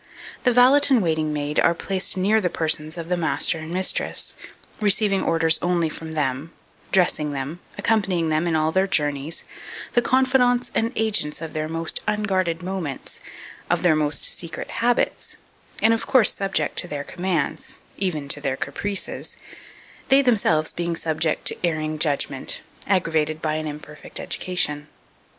The valet and waiting maid are placed near the persons of the master and mistress, receiving orders only from them, dressing them, accompanying them in all their journeys, the confidants and agents of their most unguarded moments, of their most secret habits, and of course subject to their commands, even to their caprices; they themselves being subject to erring judgment, aggravated by an imperfect education.